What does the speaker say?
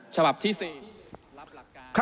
ฉบับที่๔รับหลักการ